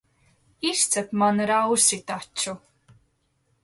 Izcep man rausi taču.